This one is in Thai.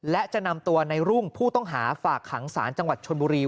และจะนำตัวในรุ่งผู้ต้องหาฝากขังศาลจังหวัดชนบุรี